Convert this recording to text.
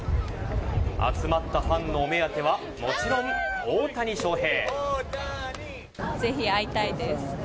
集まったファンのお目当てはもちろん、大谷翔平。